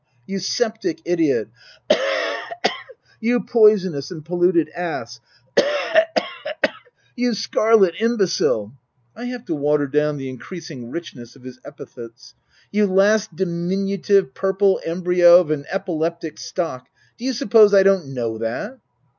" You septic idiot." " You poisonous and polluted ass." (Cough, cough, cough). " You scarlet imbecile." (I have to water down the increasing richness of his epithets). " You last diminutive purple embryo of an epileptic stock, do you suppose I don't know that?